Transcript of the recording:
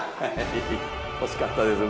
惜しかったです。